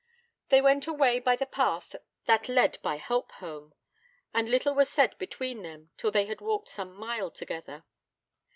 They went away by the path that led by Helpholme, and little was said between them till they had walked some mile together.